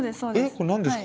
これ何ですか？